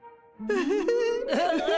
ウフフフフ。